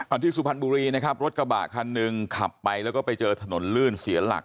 ที่สุพรรณบุรีนะครับรถกระบะคันหนึ่งขับไปแล้วก็ไปเจอถนนลื่นเสียหลัก